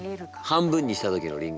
半分にした時のりんご。